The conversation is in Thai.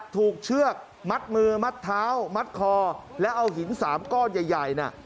เชือกมัดมือมัดเท้ามัดคอแล้วเอาหิน๓ก้อนใหญ่น่ะ